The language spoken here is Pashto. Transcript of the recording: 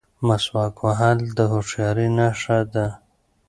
مسواک وهل د هوښیارۍ نښه ده.